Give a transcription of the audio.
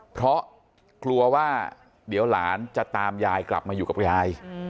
เพราะกลัวว่าเดี๋ยวหลานจะตามยายกลับมาอยู่กับยาย